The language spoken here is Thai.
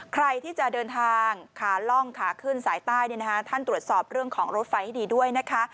ใครที่จะเดินทางขาล่องขาขึ้นสายใต้ท่านตรวจสอบเรื่องของรถไฟให้ดีด้วยนะคะ